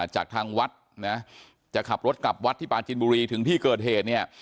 จากทางวัดนะจะขับรถกลับวัดที่ปาจินบุรีถึงที่เกิดเหตุเนี่ย